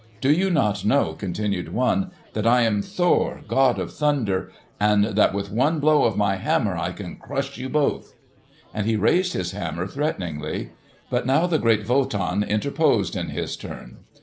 "Do you not know," continued one, "that I am Thor, god of thunder, and that with one blow of my hammer I can crush you both?" And he raised his hammer threateningly. But now the great Wotan interposed in his turn.